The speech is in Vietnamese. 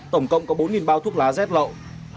tổng cộng có bốn bao thuốc lá z lậu